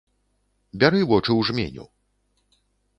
Бяры вочы ў жменю.